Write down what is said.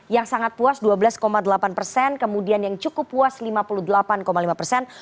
yang sangat puas dua belas delapan persen kemudian yang cukup puas lima puluh delapan lima persen